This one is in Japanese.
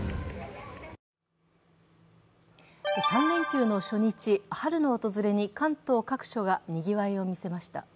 ３連休の初日、春の訪れに関東各所がにぎわいを見せました。